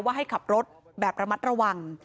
ให้ขับรถแบบระมัดระวัง